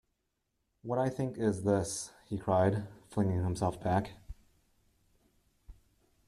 "What I think is this," he cried, flinging himself back.